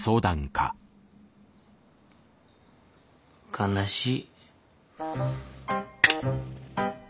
悲しい。